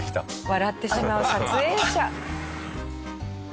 笑ってしまう撮影者。